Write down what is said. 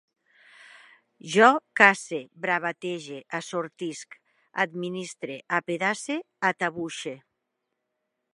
Jo cace, bravatege, assortisc, administre, apedace, atabuixe